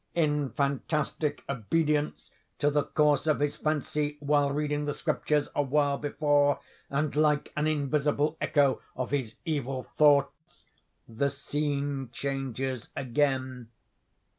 In fantastic obedience to the course of his fancy while reading the Scriptures a while before, and like an invisible echo of his evil thoughts, the scene changes again.